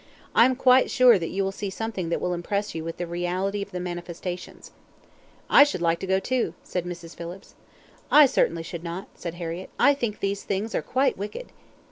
"I am quite sure that you will see something that will impress you with the reality of the manifestations." "I should like to go too," said Mrs. Phillips. "I certainly should not," said Harriett. "I think these things are quite wicked."